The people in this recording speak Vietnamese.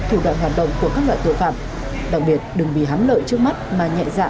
thủ đoạn hoạt động của các loại tội phạm đặc biệt đừng bị hám lợi trước mắt mà nhẹ dạ